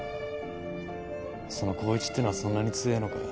その光一ってのはそんなに強えのか。